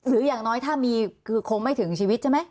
อย่างน้อยถ้ามีคือคงไม่ถึงชีวิตใช่ไหม